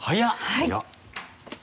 はい。